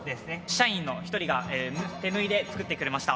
社員の一人が手縫いで作ってくれました。